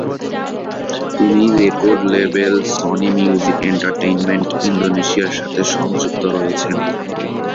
তিনি record label Sony Music Entertainment ইন্দোনেশিয়ার সাথে সংযুক্ত রয়েছেন।